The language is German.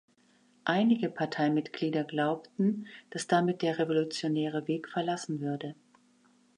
Einige Parteimitglieder glaubten, dass damit der revolutionäre Weg verlassen würde.